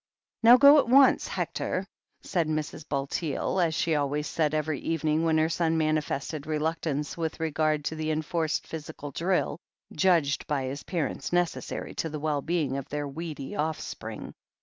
"Now, go at once, Hector," said Mrs. Bulteel, as she always said every evening when her son manifested reluctance with regard to the enforced physical drill, judged by his parents necessary to the well being of their weedy offspring.